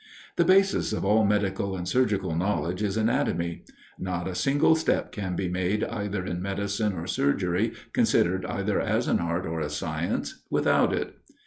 The basis of all medical and surgical knowledge is anatomy. Not a single step can be made either in medicine or surgery, considered either as an art or a science without it.